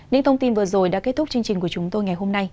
những thông tin vừa rồi đã kết thúc chương trình của chúng tôi ngày hôm nay